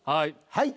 はい。